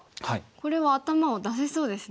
これはアタマを出せそうですね。